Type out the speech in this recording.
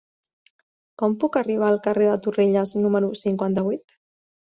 Com puc arribar al carrer de Torrelles número cinquanta-vuit?